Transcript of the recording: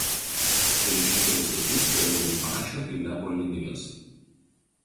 Geležinkelio stotis prie Lubumbašio–Ilebo linijos.